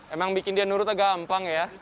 emang bikin dia nurut agak gampang ya